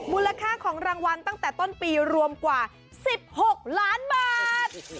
มูลค่าของรางวัลตั้งแต่ต้นปีรวมกว่า๑๖ล้านบาท